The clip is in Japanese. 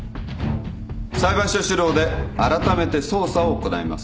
裁判所主導であらためて捜査を行います。